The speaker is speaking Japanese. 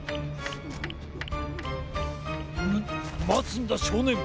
ムッまつんだしょうねん！